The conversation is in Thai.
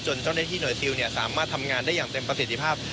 เจ้าหน้าที่หน่วยซิลสามารถทำงานได้อย่างเต็มประสิทธิภาพ